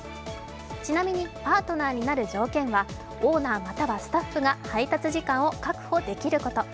ちなみにパートナーになる条件はオーナー、またはスタッフが配達時間を確保できること。